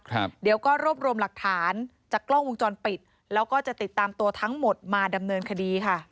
ครับเดี๋ยวก็รวบรวมหลักฐานจากกล้องวงจรปิดแล้วก็จะติดตามตัวทั้งหมดมาดำเนินคดีค่ะ